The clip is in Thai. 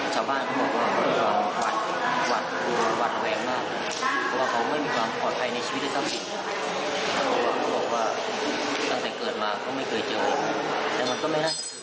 จำตั้งวันนั้นมันมีความดำเนินใหญ่นะครับอืม